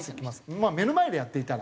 まあ目の前でやっていたら。